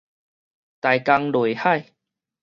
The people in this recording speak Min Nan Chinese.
台江內海